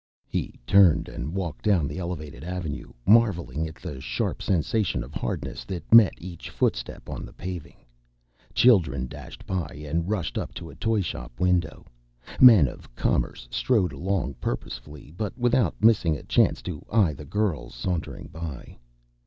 He turned and walked down the elevated avenue, marveling at the sharp sensation of hardness that met each footstep on the paving. Children dashed by and rushed up to a toyshop window. Men of commerce strode along purposefully, but without missing a chance to eye the girls sauntering by.